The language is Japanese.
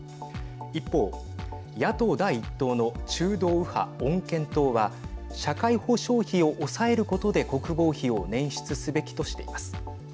一方、野党第１党の中道右派・穏健党は社会保障費を抑えることで国防費を捻出すべきとしています。